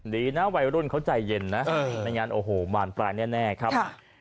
ดีนะวัยรุ่นเขาใจเย็นนะไม่งั้นโอ้โหบานปลายแน่ครับ